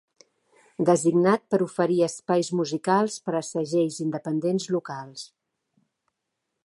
Designat per oferir espais musicals per a segells independents locals.